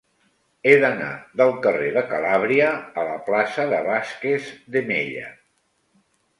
He d'anar del carrer de Calàbria a la plaça de Vázquez de Mella.